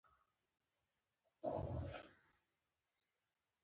مېز په کتابتون کې ضرور وي.